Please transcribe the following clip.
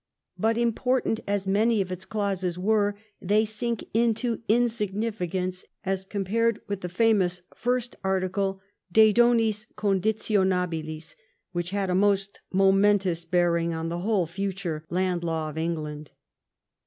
But important as many of its clauses were, they sink into insignificance as compared with the famous first article, De Bonis Conditionalibus, which had a most momentous bearing on the whole future land law of England.